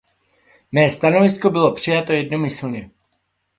Mé stanovisko bylo přijato jednomyslně.